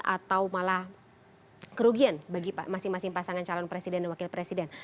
atau malah kerugian bagi masing masing pasangan calon presiden dan wakil presiden